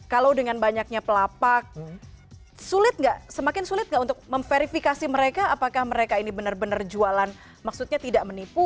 kalau dengan banyaknya pelapak sulit nggak semakin sulit nggak untuk memverifikasi mereka apakah mereka ini benar benar jualan maksudnya tidak menipu